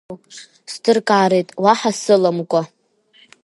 Сдыркареит, уаҳа сыламкәа.